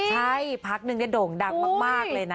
ใช่พักหนึ่งโด่งดังมากเลยนะ